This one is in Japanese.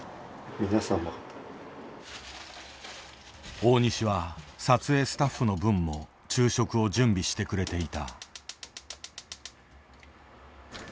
大西は撮影スタッフの分も昼食を準備してくれていた。